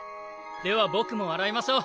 では僕も笑いましょう。